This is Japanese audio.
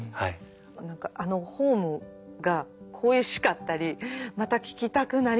何かあの「ｈｏｍｅ」が恋しかったりまた聴きたくなりますよね。